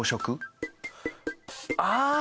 ああ！